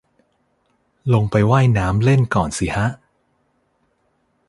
ลงไปว่ายน้ำเล่นก่อนสิฮะ